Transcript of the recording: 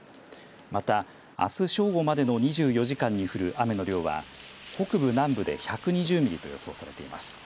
また、あす正午までの２４時間に降る雨の量は北部、南部で１２０ミリと予想されています。